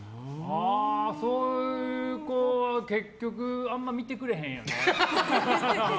そういう子は結局あんま見てくれへんよね。